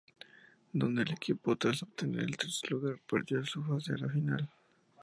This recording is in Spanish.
Donde el equipo, tras obtener el tercer lugar, perdió su pase a la final.